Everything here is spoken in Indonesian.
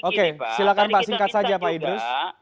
oke silakan pak singkat saja pak idris